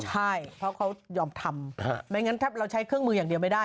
ใช่เพราะเขายอมทำไม่งั้นถ้าเราใช้เครื่องมืออย่างเดียวไม่ได้